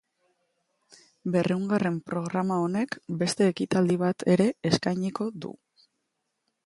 Berrehungarren programa honek beste ekitaldi bat ere eskainiko du.